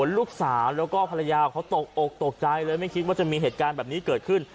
ลูกสาวแล้วก็ภรรยาเขาตกอกตกใจเลยไม่คิดว่าจะมีเหตุการณ์แบบนี้เกิดขึ้น